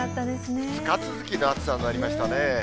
２日続きの暑さになりましたね。